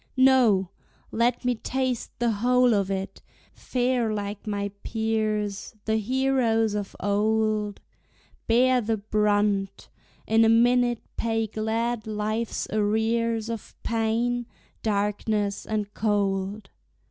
No! let me taste the whole of it, fare like my peers The heroes of old, Bear the brunt, in a minute pay glad life's arrears Of pain, darkness and cold.